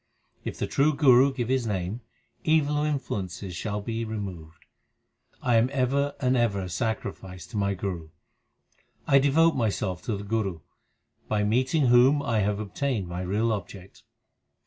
If the true Guru give His name, evil influences 2 shall be removed. I am ever and ever a sacrifice to my Guru ; I devote myself to the Guru by meeting whom I have obtained my real object.